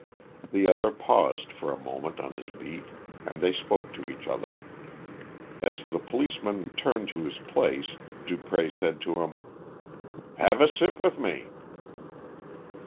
The other paused for a moment on his beat, and they spoke to each other. As the policeman returned to his place, Dupré said to him "Have a sip with me."